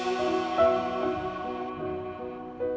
berjumpa keluarga yang pasti merindukan